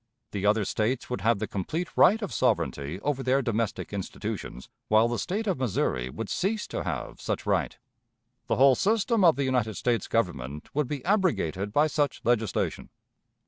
The other States would have the complete right of sovereignty over their domestic institutions while the State of Missouri would cease to have such right. The whole system of the United States Government would be abrogated by such legislation.